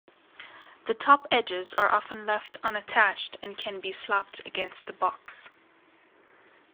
The top edges are often left unattached and can be slapped against the box.